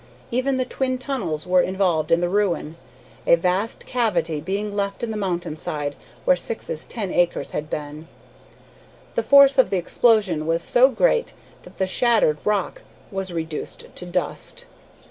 Even the twin tunnels were involved in the ruin, a vast cavity being left in the mountain side where Syx's ten acres had been. The force of the explosion was so great that the shattered rock was reduced to dust.